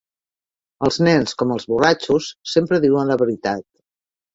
Els nens, com els borratxos, sempre diuen la veritat